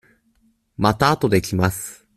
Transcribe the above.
またあとで来ます。